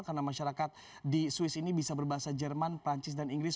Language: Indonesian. karena masyarakat di swiss ini bisa berbahasa jerman perancis dan inggris